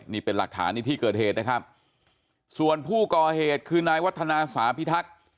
นี่เป็นหลักฐานในที่เกิดเหตุนะครับส่วนผู้ก่อเหตุคือนายวัฒนาสาพิทักษ์